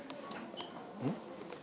うん？